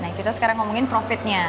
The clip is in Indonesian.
nah kita sekarang ngomongin profitnya